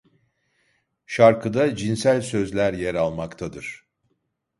Şarkıda cinsel sözler yer almaktadır.